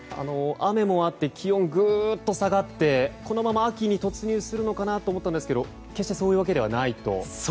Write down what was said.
雨もあって気温がぐっと下がってこのまま秋に突入するかと思ったんですがそうではないと。